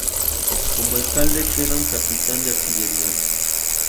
Como alcalde quedó un capitán de artillería.